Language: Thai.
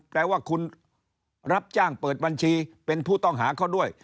แปลว่าคุณรับจ้างเปิดบัญชีเป็นผู้ต้องหาเขาด้วย